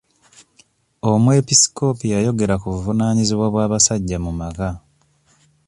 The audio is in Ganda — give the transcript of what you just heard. Omwepisikoopi yayogera ku buvunaanyizibwa bw'abasajja mu maka.